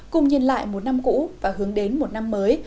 cùng nhìn lại một năm cũ và hướng đến một năm mới